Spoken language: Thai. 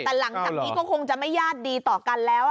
แต่หลังจากนี้ก็คงจะไม่ญาติดีต่อกันแล้ว